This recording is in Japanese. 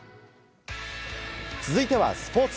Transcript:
続いてはスポーツ。